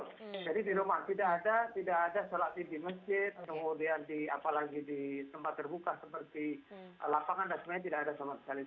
jadi di rumah tidak ada tidak ada sholat eid di masjid kemudian apalagi di tempat terbuka seperti lapangan sebenarnya tidak ada sholat eid